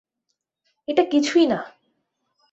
এটা কিছুই না।